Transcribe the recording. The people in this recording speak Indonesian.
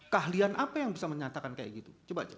keahlian apa yang bisa menyatakan seperti itu